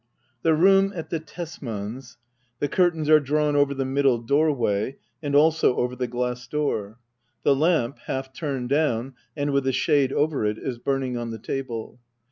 The room at the Tesmans'. The curtains are drawn over the middle doorway ^ and also over the glass door. The lamp, half turned down, and with a shade over it, is burning on the table.